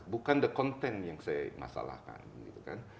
bukan the content yang saya masalahkan gitu kan